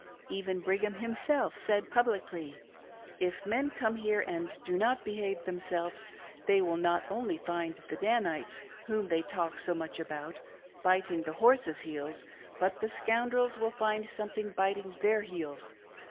Even Brighara himself said publicly: "If men come here and do not behave themselves, they will not only find the Danites, whom they talk so much about, biting the horses' heels, but the sconn drels will find something biting their heels.